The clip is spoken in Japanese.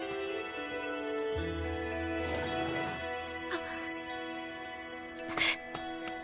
あっ！